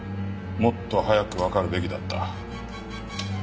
もっと早くわかるべきだった。